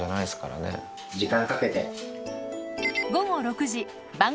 時間かけて。